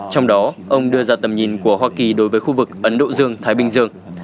trong đó ông đưa ra tầm nhìn của hoa kỳ đối với khu vực ấn độ dương thái bình dương